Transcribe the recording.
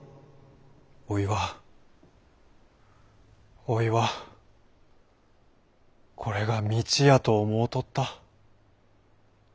おいはおいはこれが道やと思うとった。